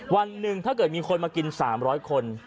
วันหนึ่งถ้าเกิดมีคนมากิน๓๐๐คน